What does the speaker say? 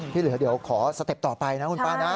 ที่เหลือเดี๋ยวขอสเต็ปต่อไปนะคุณป้านะ